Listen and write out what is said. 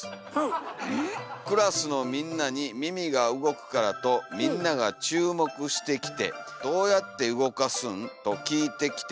「クラスのみんなに耳が動くからとみんながちゅうもくしてきて『どうやってうごかすん？』ときいてきて」。